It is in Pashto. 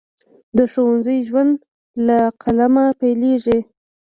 د ښوونځي ژوند له قلمه پیلیږي.